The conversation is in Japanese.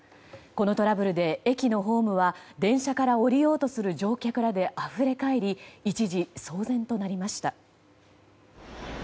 このトラブルで駅のホームは電車から降りようとする乗客らであふれかえり一時、騒然となりました。